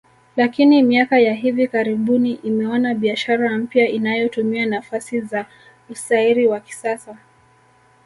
Lakini miaka ya hivi karibuni imeona biashara mpya inayotumia nafasi za usairi wa kisasa